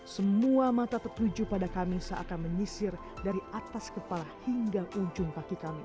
semua mata tertuju pada kami seakan menyisir dari atas kepala hingga ujung kaki kami